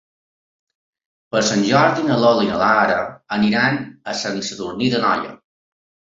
Per Sant Jordi na Lola i na Lara iran a Sant Sadurní d'Anoia.